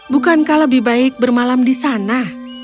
bukankah lebih baik bermalam di sana